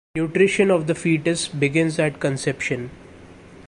Nutrition of the fetus begins at conception.